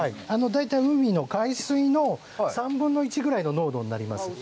大体、海の海水の３分の１ぐらいの濃度になります。